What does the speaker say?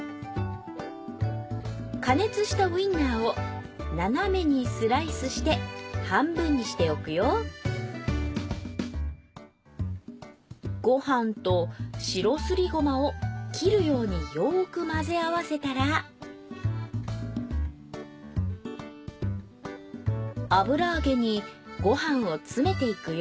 加熱したウインナーを斜めにスライスして半分にしておくよご飯と白すりごまを切るようによく混ぜ合わせたら油あげにご飯を詰めていくよ